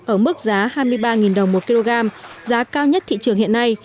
ở mức giá hai mươi ba đồng một kg giá cao nhất thị trường hiện nay